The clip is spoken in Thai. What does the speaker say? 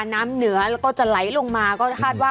น้ำเหนือแล้วก็จะไหลลงมาก็คาดว่า